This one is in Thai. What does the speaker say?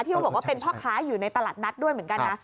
เขาบอกว่าเป็นพ่อค้าอยู่ในตลาดนัดด้วยเหมือนกันนะ